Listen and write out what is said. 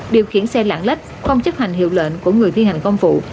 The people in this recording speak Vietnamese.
điều khiển xe lạng lách không chấp hành hiệu lệnh của người thi hành công vụ